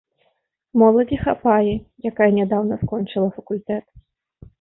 Моладзі хапае, якая нядаўна скончыла факультэт.